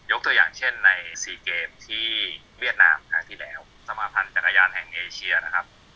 ตัวอย่างเช่นใน๔เกมที่เวียดนามครั้งที่แล้วสมาภัณฑ์จักรยานแห่งเอเชียนะครับ